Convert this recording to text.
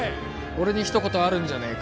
俺にひと言あるんじゃねえか？